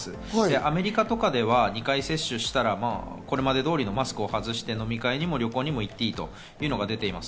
アメリカとかでは２回接種したら、これまで通りマスクを外して飲み会にも旅行にも行っていいというのが出ています。